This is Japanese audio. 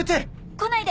来ないで！